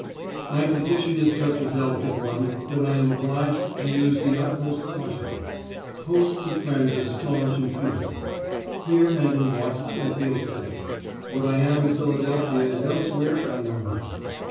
My position is such a delicate one that I am obliged to use the utmost caution. Hosts of friends are staunch and true to me. Here and in Boston I feel safe. What I am in Philadelphia and elsewhere I know not.